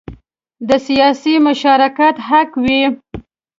د سیاسي مشارکت حق وي.